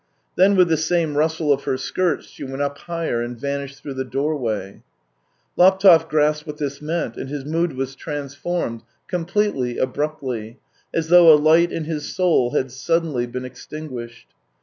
Then with the same rustle of her skirts she went up higher, and vanished through the doorway. Laptev grasped what this meant, and his mood was transformed, completely, abruptly, as though a light in his soul had suddenly been extinguished.